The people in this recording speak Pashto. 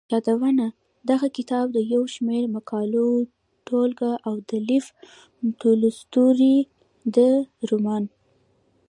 يادونه دغه کتاب د يو شمېر مقالو ټولګه او د لېف تولستوري د رومان.